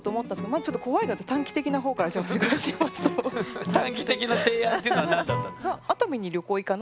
まあちょっと怖いから短期的な提案っていうのは何だったんですか？